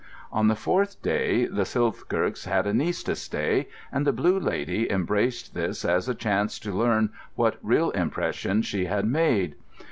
On the fourth day the Silthirsks had a niece to stay, and the Blue Lady embraced this as a chance to learn what real impression she had made.